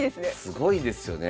すごいですよね。